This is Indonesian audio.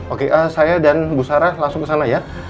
oke saya dan bu sarah langsung kesana ya